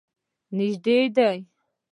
نږدې دی.